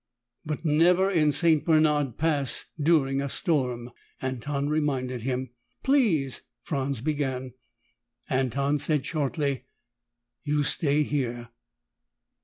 "But never in St. Bernard Pass during a storm," Anton reminded him. "Please " Franz began. Anton said shortly, "You stay here."